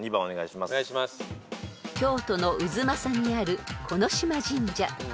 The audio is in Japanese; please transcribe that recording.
［京都の太秦にある木嶋神社］